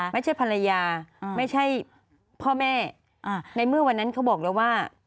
ไม่ใช่ภรรยาไม่ใช่พ่อแม่ในเมื่อวันนั้นเขาบอกแล้วว่า